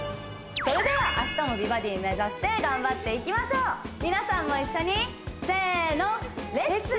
それでは明日も美バディ目指して頑張っていきましょう皆さんも一緒にせーのレッツ！